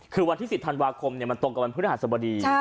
คือวันที่๑๐ธันวาคมมันตรงกับวันพฤหัสบดี